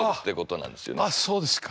あっそうですか。